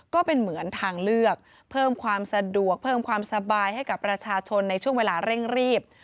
ก็เป็นเหมือนทางเลือกเพิ่มความสะดวกเพิ่มความสบายให้กับประชาชนในช่วงเวลาเร่งรีบ